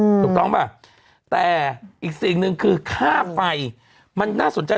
ถูกต้องป่ะแต่อีกสิ่งหนึ่งคือค่าไฟมันน่าสนใจ